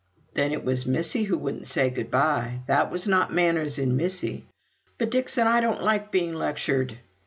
"Then it was Missy who wouldn't say good bye. That was not manners in Missy." "But, Dixon, I don't like being lectured!"